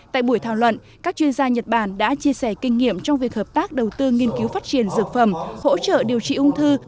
tại buổi thảo luận các chuyên gia nhật bản đã chia sẻ kinh nghiệm trong việc hợp tác đầu tư nghiên cứu phát triển dược phẩm hỗ trợ điều trị ung thư